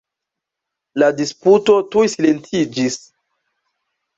La disputo tuj silentiĝis.